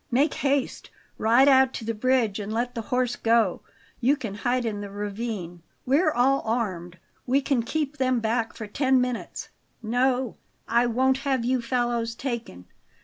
"Make haste! Ride out to the bridge and let the horse go; you can hide in the ravine. We're all armed; we can keep them back for ten minutes." "No. I won't have you fellows taken.